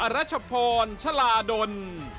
รัชพรชลาดล